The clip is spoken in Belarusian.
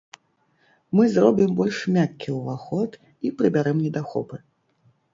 Мы зробім больш мяккі ўваход і прыбярэм недахопы.